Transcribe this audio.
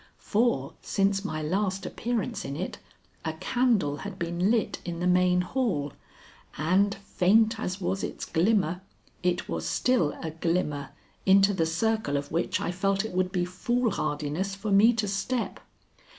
For, since my last appearance in it, a candle had been lit in the main hall, and faint as was its glimmer, it was still a glimmer into the circle of which I felt it would be foolhardiness for me to step.